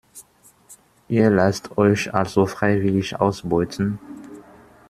Ihr lasst euch also freiwillig ausbeuten?